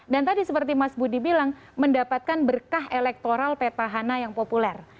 dan tadi seperti mas budi bilang mendapatkan berkah elektoral petahana yang populer